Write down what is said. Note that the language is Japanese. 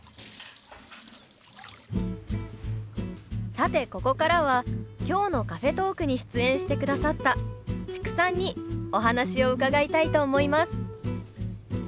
さてここからは今日のカフェトークに出演してくださった知久さんにお話を伺いたいと思います。